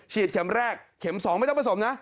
ฉีดเข็มแรกเข็มสองไม่ต้องผสมนะ